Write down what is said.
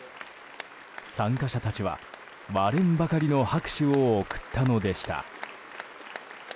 参加者たちは割れんばかりの拍手を送ったのでした。